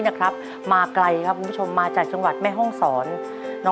มามากระดิฟท์มาจากจังหวัดแม่ห้องสอน